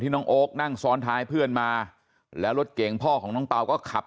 น้องโอ๊คนั่งซ้อนท้ายเพื่อนมาแล้วรถเก่งพ่อของน้องเปล่าก็ขับ